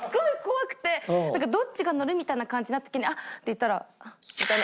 どっちが乗るみたいな感じになった時に「あっ」って言ったら「ああ」みたいな。